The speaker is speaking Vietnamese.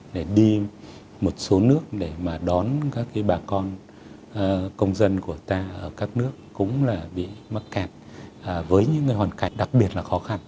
để đi một số nước để mà đón các cái bà con công dân của ta ở các nước cũng là bị mắc kẹt với những hoàn cảnh đặc biệt là khó khăn